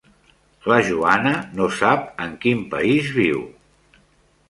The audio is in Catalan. La Joana no sap en quin país viu.